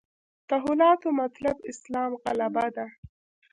تحولاتو مطلب اسلام غلبه ده.